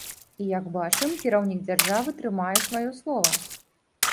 І як бачым, кіраўнік дзяржавы трымае сваё слова.